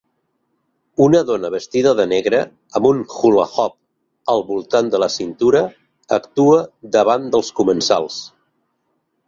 Una dona vestida de negre amb un "hula hoop" al voltant de la cintura actua davant dels comensals